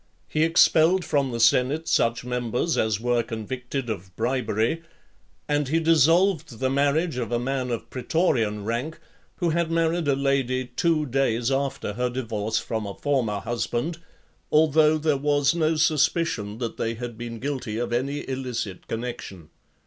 He expelled from the senate such members as were convicted of bribery; and he dissolved the marriage of a man of pretorian rank, who had married a lady two days after her divorce from a former husband, although there was no suspicion that they had been guilty of any illicit connection.